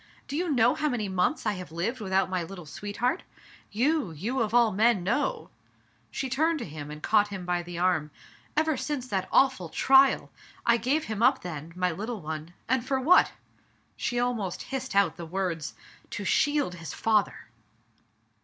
Do you know how many months I have lived without my little sweet heart? You, you of all men know !" She turned to him, and caught him by the arm. *'Ever since that awful trial ! I gave him up then, my little one; and for what?" she almost hissed out the words — ''to shield his father